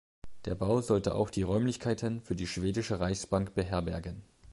Der Bau sollte auch die Räumlichkeiten für die Schwedische Reichsbank beherbergen.